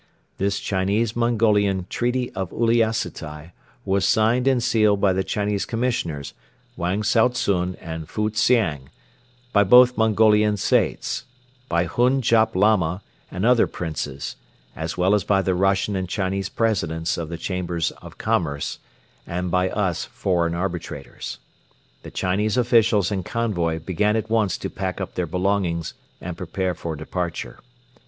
This Chinese Mongolian Treaty of Uliassutai was signed and sealed by the Chinese Commissioners, Wang Tsao tsun and Fu Hsiang, by both Mongolian Saits, by Hun Jap Lama and other Princes, as well as by the Russian and Chinese Presidents of the Chambers of Commerce and by us foreign arbitrators. The Chinese officials and convoy began at once to pack up their belongings and prepare for departure.